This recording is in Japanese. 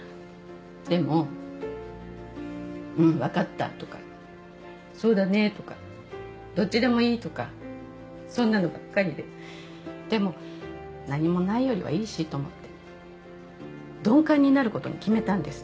でも「うんわかった」とか「そうだね」とか「どっちでもいい」とかそんなのばっかりででも何もないよりはいいしと思って鈍感になることに決めたんです